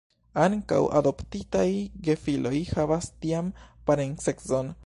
Ankaŭ adoptitaj gefiloj havas tian parencecon.